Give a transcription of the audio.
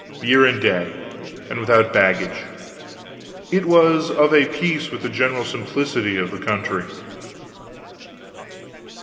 Year and day and without baggage. It was of a piece with the general simplicity of the country.